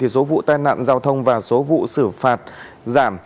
số vụ tai nạn giao thông và số vụ xử phạt giảm